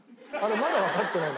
まだわかってない。